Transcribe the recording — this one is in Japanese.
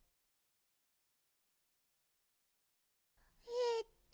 ・えっと